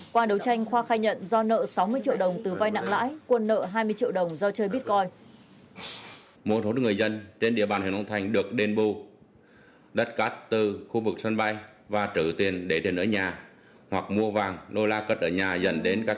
qua đấu tranh khoa khai nhận do nợ sáu mươi triệu đồng từ vai nặng lạc